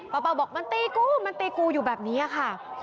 เป้าบอกมันตีกูมันตีกูอยู่แบบนี้ค่ะ